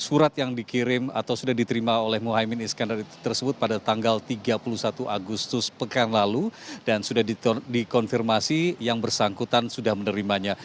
surat yang dikirim atau sudah diterima oleh mohaimin iskandar tersebut pada tanggal tiga puluh satu agustus pekan lalu dan sudah dikonfirmasi yang bersangkutan sudah menerimanya